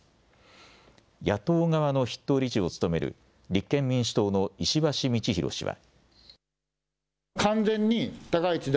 野党側の筆頭理事を務める立憲民主党の石橋通宏氏は。